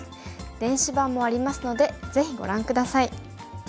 電子版もありますのでぜひご覧下さい。